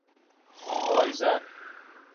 پایزن